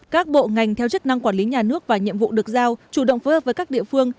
các bộ ngành theo chức năng quản lý nhà nước và nhiệm vụ được giao chủ động phối hợp với các địa phương